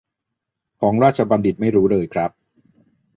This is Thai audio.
ของราชบัณฑิตไม่รู้เลยครับ